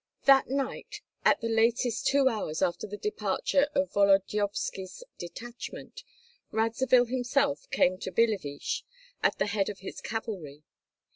That night, at the latest two hours after the departure of Volodyovski's detachment, Radzivill himself came to Billeviche at the head of his cavalry.